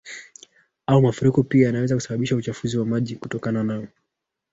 au mafuriko pia yanaweza kusababisha uchafuzi wa maji kutokana